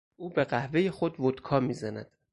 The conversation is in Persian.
او به قهوهی خود ودکا میزند.